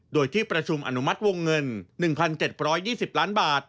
โดยที่ประชุมอนุมัติวงเงิน๑๗๒๐ล้านบาท